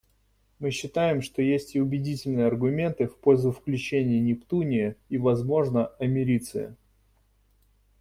Мы считаем, что есть и убедительные аргументы в пользу включения нептуния и, возможно, америция.